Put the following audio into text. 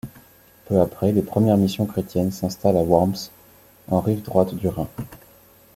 Peu après, les premières missions chrétiennes s'installent à Worms, en rive droite du Rhin.